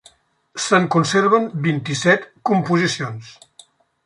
Se'n conserven vint-i-set composicions.